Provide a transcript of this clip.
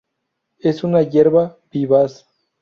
Es una hierba vivaz.